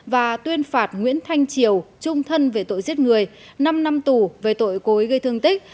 và tuyên phạt nguyễn thanh triều trung thân về tội giết người năm năm tù về tội cố ý gây thương tích